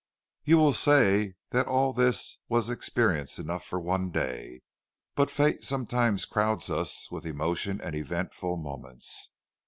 "You will say that all this was experience enough for one day, but fate sometimes crowds us with emotions and eventful moments.